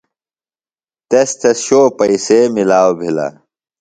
تس تھےۡ شو پیئسے ملاؤ بِھلہ۔